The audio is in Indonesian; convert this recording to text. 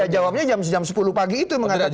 jawabnya jam sepuluh pagi itu mengatakan